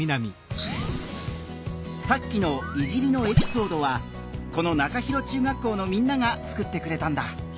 さっきの「いじり」のエピソードはこの中広中学校のみんなが作ってくれたんだ。